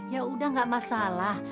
yaudah gak masalah